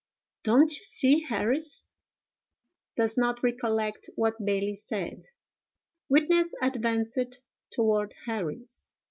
Don't you see Harris? Does not recollect what Bailey said. Witness advanced toward Harris.